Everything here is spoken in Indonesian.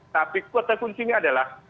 tapi kuatnya kuncinya adalah